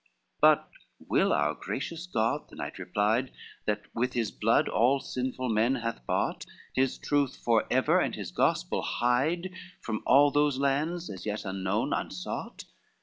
XXIX "But will our gracious God," the knight replied, "That with his blood all sinful men hath bought, His truth forever and his gospel hide From all those lands, as yet unknown, unsought?"